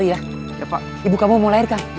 ibu kamu mau lahirkan